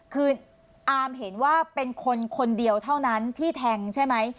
คืออาร์มเห็นว่าเป็นคนคนเดียวเท่านั้นที่แทงใช่ไหม